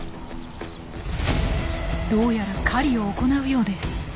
どうやら狩りを行うようです。